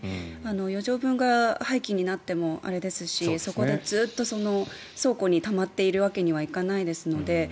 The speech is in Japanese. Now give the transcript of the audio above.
余剰分が廃棄になってもあれですしそこでずっと倉庫にたまっているわけにはいかないですので。